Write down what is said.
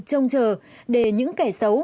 trông chờ để những kẻ xấu